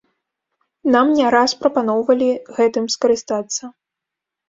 Нам не раз прапаноўвалі гэтым скарыстацца.